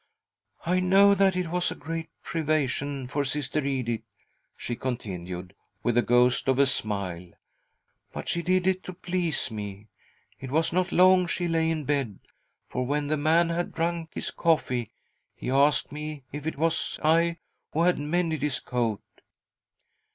"I know that it was a great privation for Sister Edith," she continued, with the ghost of a smile, " but she did it to please me. It was not long she lay in bed, for when the man had drunk his coffee, he asked me if it was I who had mended his coat.